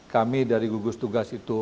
kami dari gugus tugas itu